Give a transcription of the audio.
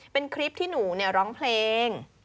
เป็นคลิปที่หนูร้องเพลง